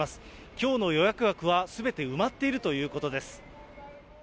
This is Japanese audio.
きょうの予約枠はすべて埋まっているということです。